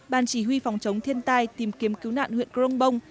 ban chỉ huy phòng chống thiên tai tìm kiếm cứu nạn huyện crong bông